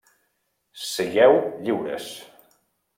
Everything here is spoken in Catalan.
Sigueu lliures!